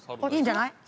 いいんじゃない。